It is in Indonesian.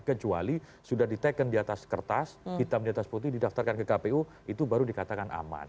kecuali sudah diteken di atas kertas hitam di atas putih didaftarkan ke kpu itu baru dikatakan aman